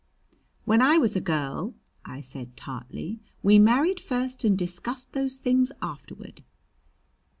"When I was a girl," I said tartly, "we married first and discussed those things afterward."